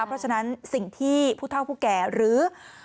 เพราะฉะนั้นสิ่งที่ผู้เท่าผู้แก่หรือ